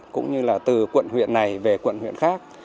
cũng như là từ quận huyện này về quận huyện khác